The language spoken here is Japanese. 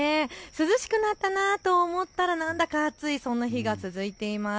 涼しくなったなと思ったらなんだか暑い、そんな日が続いています。